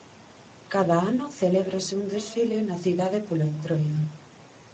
Cada ano celébrase un desfile na cidade polo entroido.